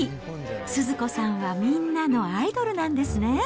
スズ子さんはみんなのアイドルなんですね。